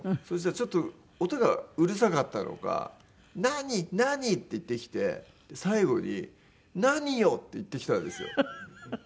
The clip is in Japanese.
そしたらちょっと音がうるさかったのか「何？何？」って言ってきて最後に「何よ？」って言ってきたんですよ。